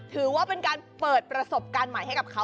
ถือว่าเป็นการเปิดประสบการณ์ใหม่ให้กับเขา